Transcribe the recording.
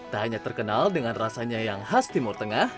tak hanya terkenal dengan rasanya yang khas timur tengah